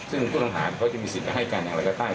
ซึ่งผู้ต้องหาเขาจะมีสิทธิ์จะให้การอย่างไรก็ได้